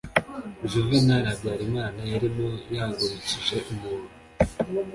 juvenal habyarimana yarimo yahagurukije umuntu